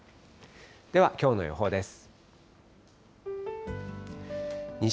では、きょうの予報です。